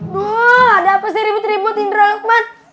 duh ada apa sih ribut ribut tindra luqman